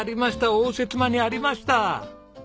応接間にありました！